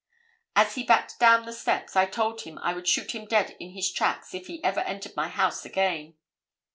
As he backed down the steps, I told him I would shoot him dead in his tracks if he ever entered my house again.